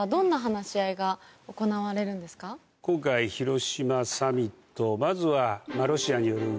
今回広島サミットまずは。